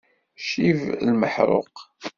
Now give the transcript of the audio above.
Ccib lmeḥṛuq!